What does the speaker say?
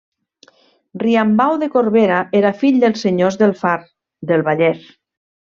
Riambau de Corbera era fill dels senyors del Far, del Vallès.